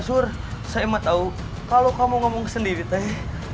saya mah tau kalau kamu ngomong sendiri teh